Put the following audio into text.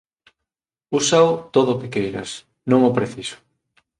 Úsao todo o que queiras, non o preciso.